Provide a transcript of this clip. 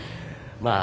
まあ。